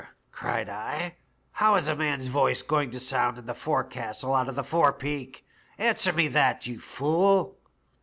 * cried I, *how is a man's voice going to sound in the forecastle out of the forepeak? Answer me that, you fool.'